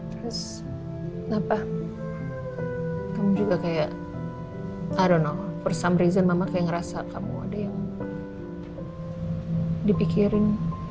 terus kenapa kamu juga kayak i don't know for some reason mama kayak ngerasa kamu ada yang dipikirin